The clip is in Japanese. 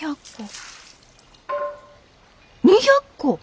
２００個。